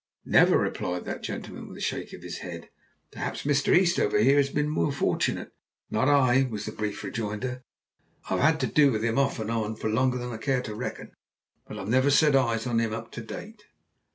"Never," replied that gentleman, with a shake of his head. "Perhaps Mr. Eastover has been more fortunate?" "Not I," was the brief rejoinder. "I've had to do with him off and on for longer than I care to reckon, but I've never set eyes on him up to date."